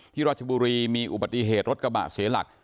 ราชบุรีมีอุบัติเหตุรถกระบะเสียหลัก